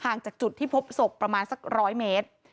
ห่างจากจุดที่พบศพประมาณสักร้อยเมตร